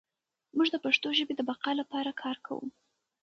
موږ د پښتو ژبې د بقا لپاره کار کوو.